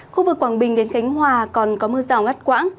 khu vực quảng bình đến khánh hòa còn có mưa rào ngắt quãng